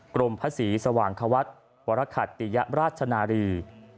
กรมพระศรีสว่างควัฒน์วรคัตติยราชนารี